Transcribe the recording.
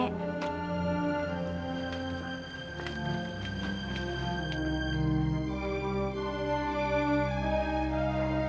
tenanglah mama gak ide gitu lamanya